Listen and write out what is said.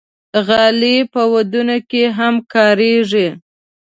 غالۍ په ودونو کې هم کارېږي.